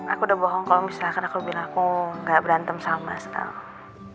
aku udah bohong kalau misalkan aku bilang aku gak berantem sama sekali